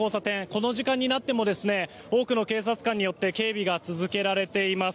この時間になっても多くの警察官によって警備が続けられています。